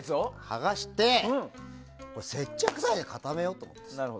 はがして接着剤で固めようって。